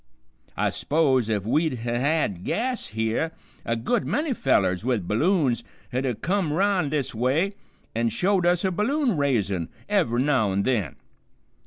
I s'pose if we'd ha' had gas here, a good many fellers with balloons 'd ha' kim 'round this way an' showed us a balloon raisin' ev'ry now an' then.